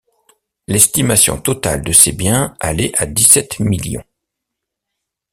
L’estimation totale de ses biens allait à dix-sept millions.